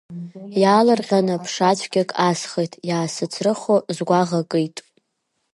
Иаалырҟьаны ԥшацәгьак асхит, иаасыцрыхо, сгәаӷ акит.